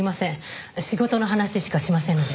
仕事の話しかしませんので。